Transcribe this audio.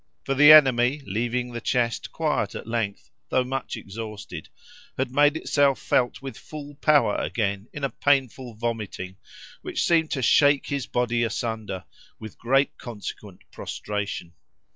For the enemy, leaving the chest quiet at length though much exhausted, had made itself felt with full power again in a painful vomiting, which seemed to shake his body asunder, with great consequent prostration.